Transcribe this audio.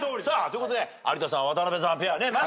さあということで有田さん渡辺さんペアね。